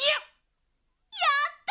やった！